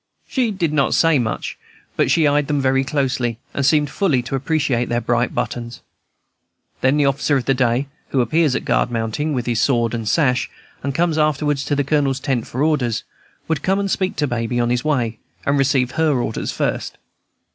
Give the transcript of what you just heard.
She did not say much, but she eyed them very closely, and seemed fully to appreciate their bright buttons. Then the Officer of the Day, who appears at guard mounting with his sword and sash, and comes afterwards to the Colonel's tent for orders, would come and speak to Baby on his way, and receive her orders first.